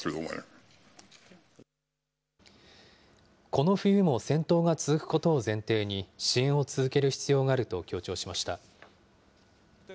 この冬も戦闘が続くことを前提に、支援を続ける必要があると強調しました。